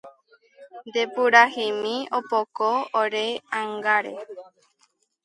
Nde puraheimi opoko ore ángare